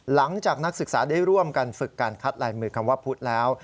นักศึกษาได้ร่วมกันฝึกการคัดลายมือคำว่าพุทธแล้ว